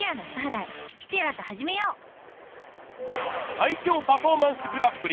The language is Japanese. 最強パフォーマンスグランプリ